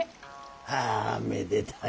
ああめでたいね。